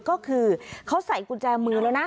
ก็คือเขาใส่กุญแจมือแล้วนะ